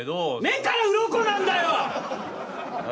目からうろこなんだよ。